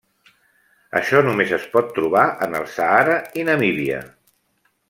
Això només es pot trobar en el Sàhara i Namíbia.